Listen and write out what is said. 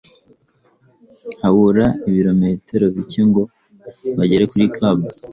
habura ibirometero bike ngo bagere kuri Club